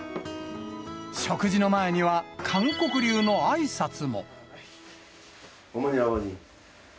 食事の前には、韓国流のあいさつも。